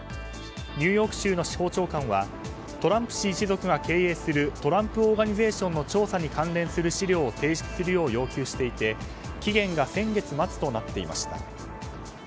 ニューヨーク州の司法長官はトランプ氏一族が経営するトランプ・オーガニゼーションの調査に関連する資料を提出するよう要求していて期限が先月末となっていました。